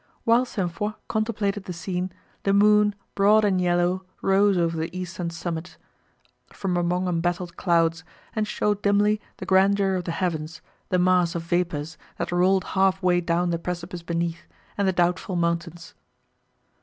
While St. Foix contemplated the scene, the moon, broad and yellow, rose over the eastern summits, from among embattled clouds, and showed dimly the grandeur of the heavens, the mass of vapours, that rolled half way down the precipice beneath, and the doubtful mountains.